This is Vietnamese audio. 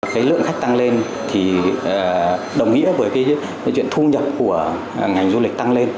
cái lượng khách tăng lên thì đồng nghĩa với cái chuyện thu nhập của ngành du lịch tăng lên